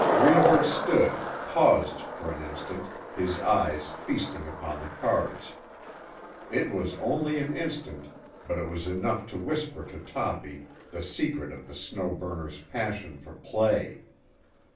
Reivers stood, paused, for an instant, his eyes feasting upon the cards. It was only an instant, but it was enough to whisper to Toppy the secret of the Snow Burner's passion for play.